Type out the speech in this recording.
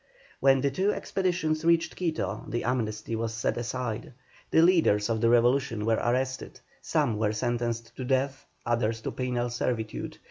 When the two expeditions reached Quito the amnesty was set aside. The leaders of the revolution were arrested, some were sentenced to death, others to penal servitude.